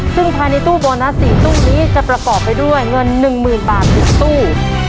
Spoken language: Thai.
ซึ่งภายในตู้โบนัส๔ตู้นี้จะประกอบไปด้วยเงิน๑๐๐๐บาท๑ตู้